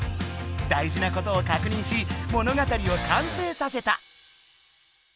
大事なことを確認し物語を完成させた。